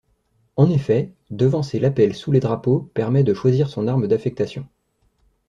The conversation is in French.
En effet, devancer l'appel sous les drapeaux permet de choisir son arme d'affectation.